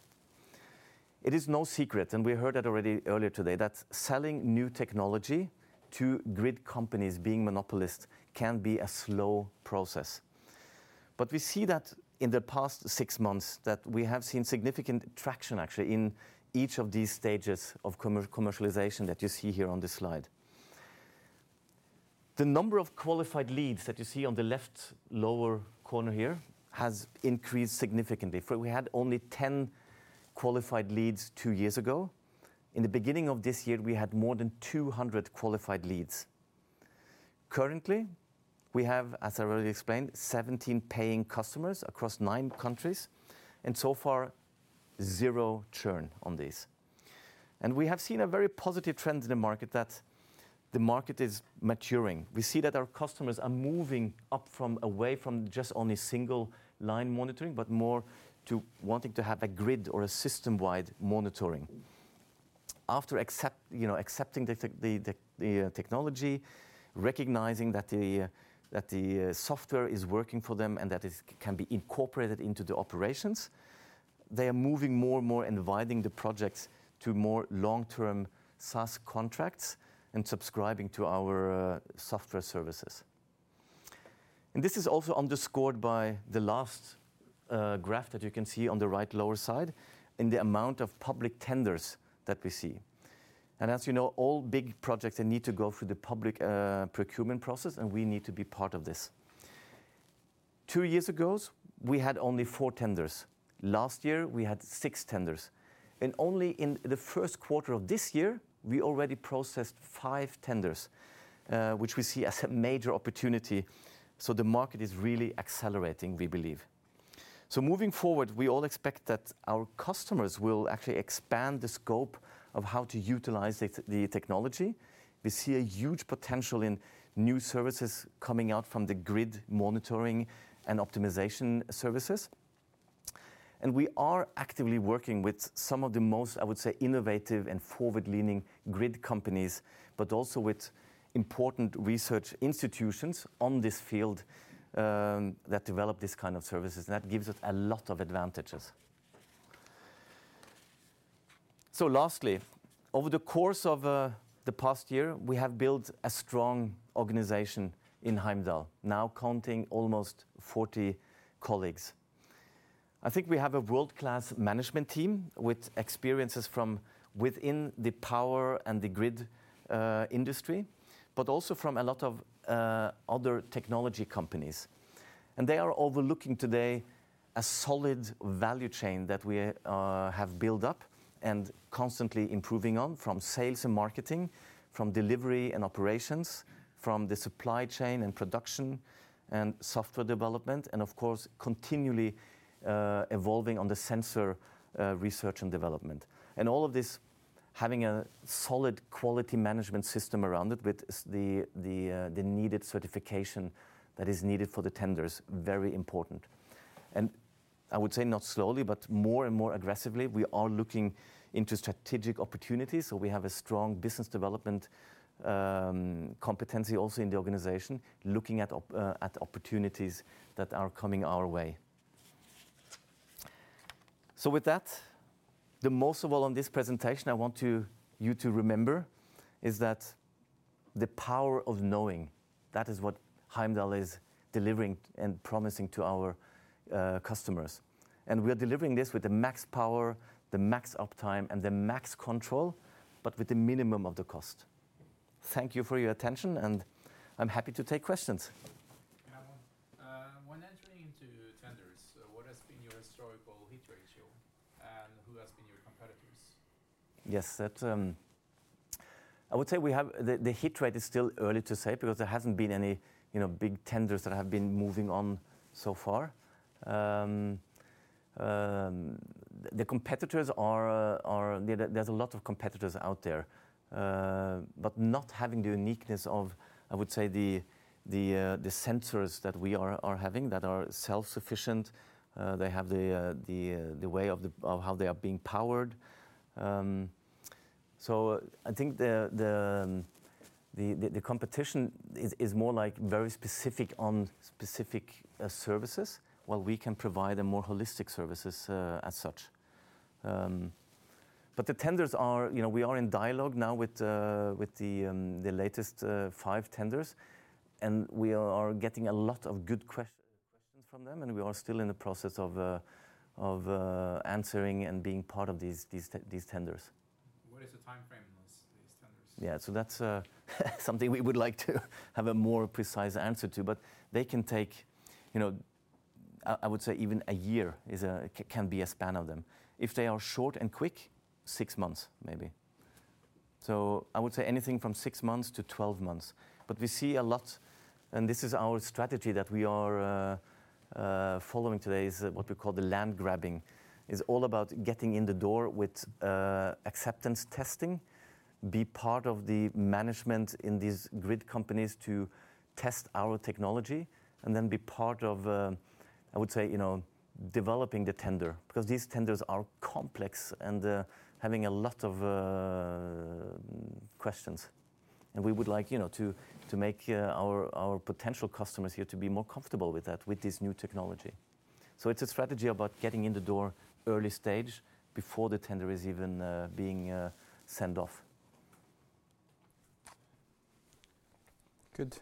It is no secret, and we heard that already earlier today, that selling new technology to grid companies being monopolists can be a slow process. We see that in the past six months that we have seen significant traction actually in each of these stages of commercialization that you see here on this slide. The number of qualified leads that you see on the left lower corner here has increased significantly. For we had only 10 qualified leads two years ago. In the beginning of this year, we had more than 200 qualified leads. Currently, we have, as I already explained, 17 paying customers across nine countries, and so far, zero churn on this. We have seen a very positive trend in the market that the market is maturing. We see that our customers are moving away from just only single line monitoring, but more to wanting to have a grid or a system-wide monitoring. After accepting the technology, recognizing that the software is working for them and that it can be incorporated into the operations, they are moving more and more inviting the projects to more long-term SaaS contracts and subscribing to our software services. This is also underscored by the last graph that you can see on the right lower side in the amount of public tenders that we see. As you know, all big projects, they need to go through the public procurement process, and we need to be part of this. Two years ago, we had only four tenders. Last year, we had six tenders. Only in the first quarter of this year, we already processed five tenders, which we see as a major opportunity. The market is really accelerating, we believe. Moving forward, we all expect that our customers will actually expand the scope of how to utilize the technology. We see a huge potential in new services coming out from the grid monitoring and optimization services. We are actively working with some of the most, I would say, innovative and forward-leaning grid companies, but also with important research institutions in this field that develop these kind of services, and that gives us a lot of advantages. Lastly, over the course of the past year, we have built a strong organization in Heimdall, now counting almost 40 colleagues. I think we have a world-class management team with experiences from within the power and the grid industry, but also from a lot of other technology companies. They are overlooking today a solid value chain that we have built up and constantly improving on from sales and marketing, from delivery and operations, from the supply chain and production and software development, and of course, continually evolving on the sensor research and development. All of this having a solid quality management system around it with the needed certification that is needed for the tenders, very important. I would say not slowly, but more and more aggressively, we are looking into strategic opportunities. We have a strong business development competency also in the organization, looking at opportunities that are coming our way. With that, the most of all on this presentation I want you to remember is that the power of knowing, that is what Heimdall is delivering and promising to our customers. We are delivering this with the Max Power, the Max Uptime, and the Max Control, but with the minimum of the cost. Thank you for your attention, and I'm happy to take questions. Can I have one? When entering into tenders, what has been your historical hit ratio, and who has been your competitors? Yes. That, I would say we have. The hit rate is still early to say because there hasn't been any, you know, big tenders that have been moving on so far. The competitors are. There's a lot of competitors out there, but not having the uniqueness of, I would say, the sensors that we are having that are self-sufficient. They have the way of how they are being powered. I think the competition is more like very specific on specific services, while we can provide a more holistic services, as such. The tenders are, you know, we are in dialogue now with the latest five tenders, and we are getting a lot of good questions from them, and we are still in the process of answering and being part of these tenders. What is the timeframe in these tenders? Yeah. That's something we would like to have a more precise answer to. They can take, you know, I would say even a year can be a span of them. If they are short and quick, six months maybe. I would say anything from six months to 12 months. We see a lot, and this is our strategy that we are following today, is what we call the land grabbing is all about getting in the door with acceptance testing, be part of the management in these grid companies to test our technology, and then be part of, I would say, you know, developing the tender, because these tenders are complex and having a lot of questions. We would like, you know, to make our potential customers here to be more comfortable with that, with this new technology. It's a strategy about getting in the door early stage before the tender is even being sent off. Good.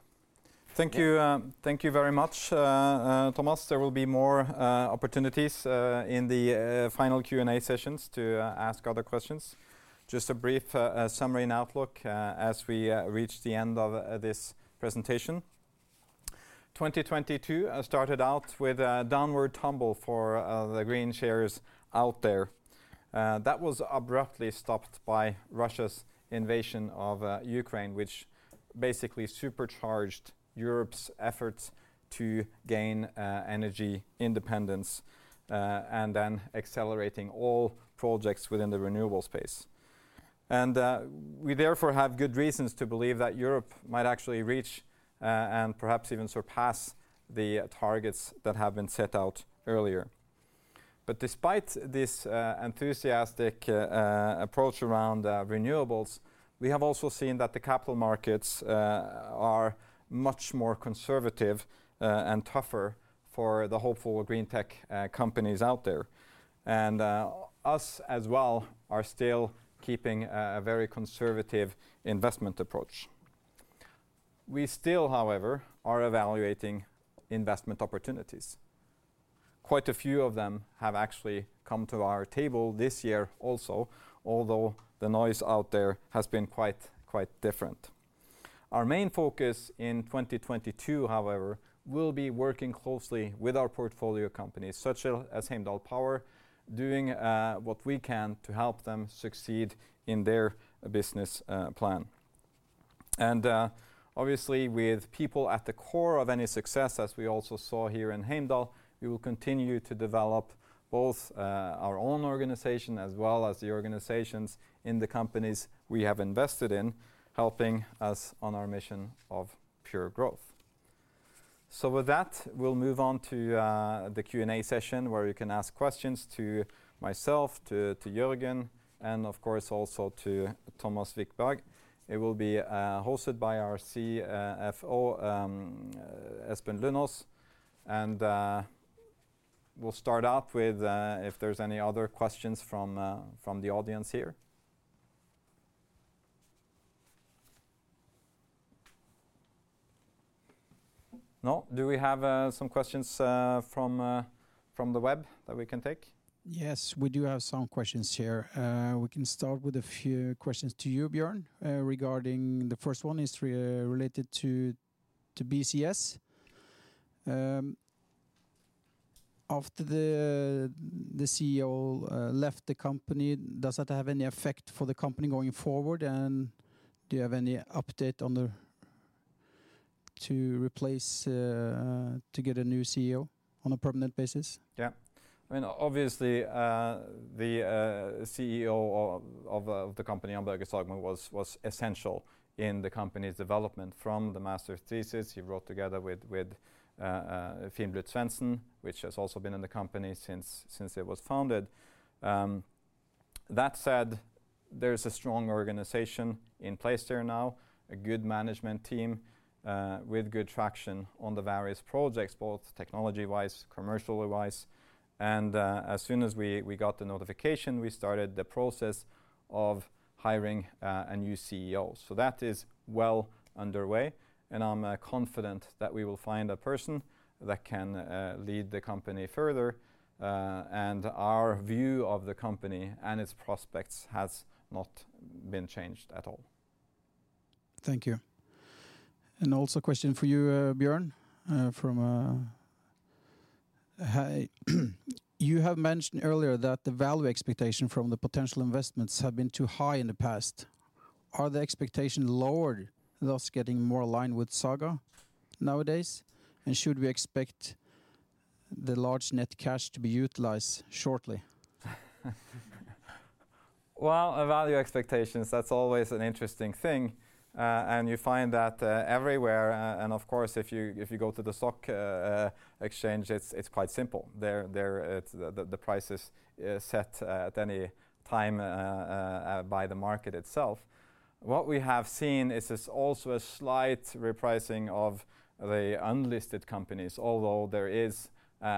Thank you very much, Thomas. There will be more opportunities in the final Q&A sessions to ask other questions. Just a brief summary and outlook as we reach the end of this presentation. 2022 started out with a downward tumble for the green shares out there. That was abruptly stopped by Russia's invasion of Ukraine, which basically supercharged Europe's efforts to gain energy independence and then accelerating all projects within the renewable space. We therefore have good reasons to believe that Europe might actually reach and perhaps even surpass the targets that have been set out earlier. Despite this, enthusiastic approach around renewables, we have also seen that the capital markets are much more conservative and tougher for the hopeful green tech companies out there. Us as well are still keeping a very conservative investment approach. We still, however, are evaluating investment opportunities. Quite a few of them have actually come to our table this year also, although the noise out there has been quite different. Our main focus in 2022, however, will be working closely with our portfolio companies, such as Heimdall Power, doing what we can to help them succeed in their business plan. Obviously with people at the core of any success, as we also saw here in Heimdall, we will continue to develop both our own organization as well as the organizations in the companies we have invested in, helping us on our mission of pure growth. With that, we'll move on to the Q&A session where you can ask questions to myself, to Jørgen, and of course also to Thomas Wikberg. It will be hosted by our CFO, Espen Lundaas. We'll start off with if there's any other questions from the audience here. No? Do we have some questions from the web that we can take? Yes, we do have some questions here. We can start with a few questions to you, Bjørn, regarding. The first one is related to BCS. After the CEO left the company, does that have any effect for the company going forward? Do you have any update on the replacement to get a new CEO on a permanent basis? Yeah. I mean, obviously, the CEO of the company, Jan Børge Sagmo, was essential in the company's development from the master's thesis he wrote together with Finn Blydt-Svendsen, who has also been in the company since it was founded. That said, there's a strong organization in place there now, a good management team with good traction on the various projects, both technology-wise, commercially-wise. As soon as we got the notification, we started the process of hiring a new CEO. So that is well underway, and I'm confident that we will find a person that can lead the company further. Our view of the company and its prospects has not been changed at all. Thank you. Also a question for you, Bjørn. You have mentioned earlier that the value expectation from the potential investments have been too high in the past. Are the expectation lowered, thus getting more aligned with Saga nowadays? Should we expect the large net cash to be utilized shortly? Well, value expectations, that's always an interesting thing, and you find that everywhere. Of course, if you go to the stock exchange, it's quite simple. There, it's the price is set at any time by the market itself. What we have seen is this also a slight repricing of the unlisted companies, although there is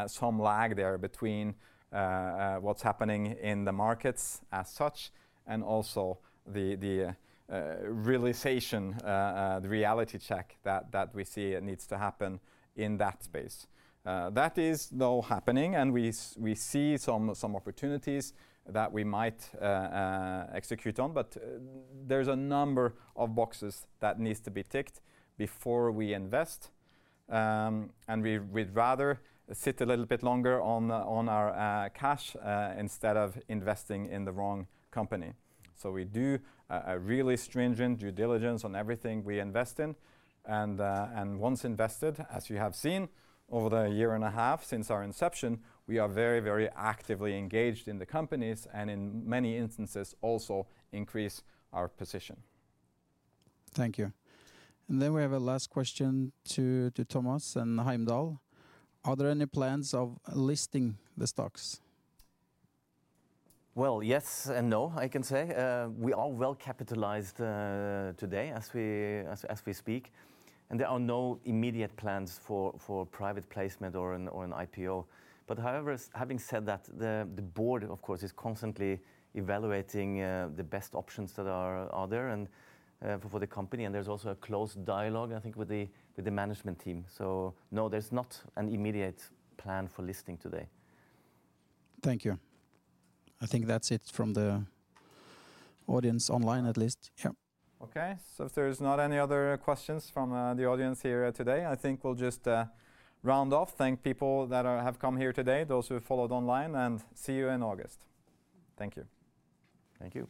some lag there between what's happening in the markets as such and also the realization, the reality check that we see needs to happen in that space. That is now happening, and we see some opportunities that we might execute on. There's a number of boxes that needs to be ticked before we invest, and we'd rather sit a little bit longer on our cash instead of investing in the wrong company. We do a really stringent due diligence on everything we invest in. Once invested, as you have seen over the year and a half since our inception, we are very, very actively engaged in the companies and in many instances also increase our position. Thank you. We have a last question to Thomas and Heimdall. Are there any plans of listing the stocks? Well, yes and no, I can say. We are well capitalized today as we speak, and there are no immediate plans for private placement or an IPO. But however, having said that, the board, of course, is constantly evaluating the best options that are there and for the company, and there's also a close dialogue, I think, with the management team. No, there's not an immediate plan for listing today. Thank you. I think that's it from the audience online at least. Yeah. Okay. If there is not any other questions from the audience here today, I think we'll just round off. Thank people have come here today, those who have followed online, and see you in August. Thank you. Thank you.